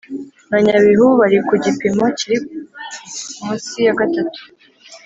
na Nyabihu bari ku gipimo kiri munsi ya gatatu